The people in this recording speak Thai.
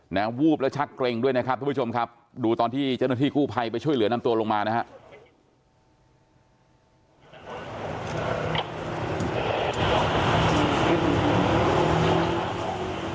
วูบและชักเกร็งด้วยนะครับทุกผู้ชมครับดูตอนที่เจ้าหน้าที่กู้ภัยไปช่วยเหลือนำตัวลงมานะครับ